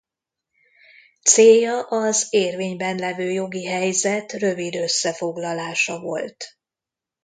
Célja az érvényben levő jogi helyzet rövid összefoglalása volt.